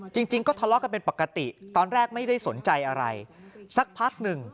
จริงจริงก็ทะเลาะกันเป็นปกติตอนแรกไม่ได้สนใจอะไรสักพักหนึ่ง